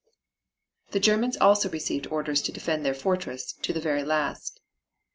The Germans also received orders to defend their fortress to the very last.